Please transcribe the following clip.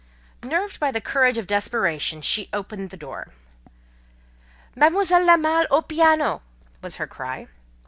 Nerved by the courage of desperation, she opened the door. "Mademoiselle La Malle au piano!" was her cry.